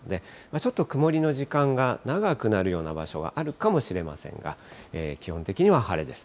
ちょっと曇りの時間が長くなるような場所があるかもしれませんが、基本的には晴れです。